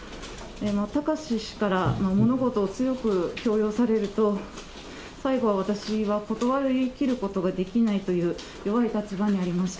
貴志氏から物事を強く強要されると、最後、私は断りきることができないという弱い立場にありました。